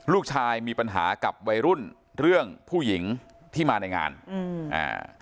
ลูกชายมีปัญหากับวัยรุ่นเรื่องผู้หญิงที่มาในงานอืมอ่า